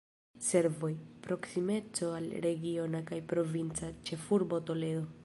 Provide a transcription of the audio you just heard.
Servoj: proksimeco al regiona kaj provinca ĉefurbo Toledo.